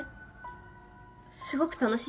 すごく楽しいよ。